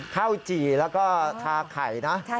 จี่แล้วก็ทาไข่นะ